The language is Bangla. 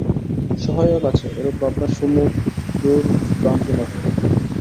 সহায়ক আছে, এরূপ ভাবনা সুমধুর ভ্রান্তিমাত্র।